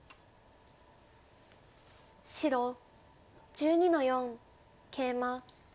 白１２の四ケイマ。